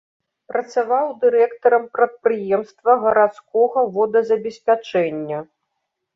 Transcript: Працаваў дырэктарам прадпрыемства гарадскога водазабеспячэння.